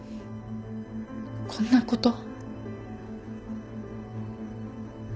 こんなこと？